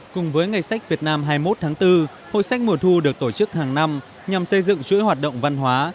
cùng với ngày sách việt nam hai mươi một tháng bốn hội sách mùa thu được tổ chức hàng năm nhằm xây dựng chuỗi hoạt động văn hóa